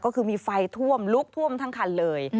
ก็คือมีไฟท่วมลุกท่วมทั้งคันเลย